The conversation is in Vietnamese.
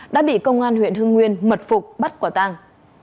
đã bị công an huyện hưng nguyên mật phục bắt quả tàng